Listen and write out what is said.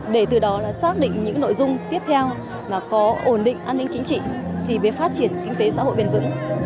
để từ đó xác định những nội dung tiếp theo mà có ổn định an ninh chính trị thì với phát triển kinh tế xã hội bền vững